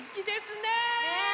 ねえ！